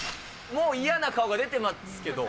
もう嫌な顔が出てますけど。